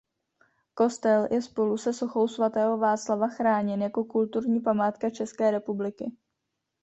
Kostel je spolu se sochou svatého Václava chráněn jako kulturní památka České republiky.